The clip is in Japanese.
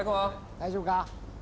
大丈夫か？